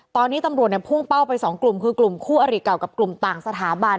ตอนนี้ตำรวจเนี่ยพุ่งเป้าไปสองกลุ่มคือกลุ่มคู่อริเก่ากับกลุ่มต่างสถาบัน